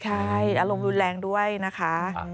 อารมณ์อยู่แรงด้วยนะคะ